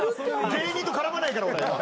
芸人と絡まないから俺。